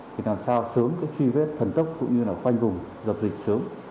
thì làm sao sớm cái truy vết thần tốc cũng như là khoanh vùng dập dịch sớm